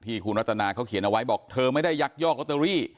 คุณรัตนาเขาเขียนเอาไว้บอกเธอไม่ได้ยักยอกลอตเตอรี่